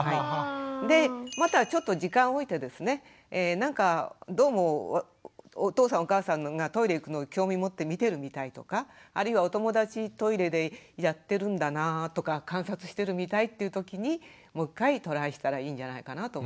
でまたちょっと時間を置いてですねなんかどうもお父さんお母さんがトイレ行くのを興味持って見てるみたいとかあるいはお友達トイレでやってるんだなぁとか観察してるみたいというときにもう一回トライしたらいいんじゃないかなと思います。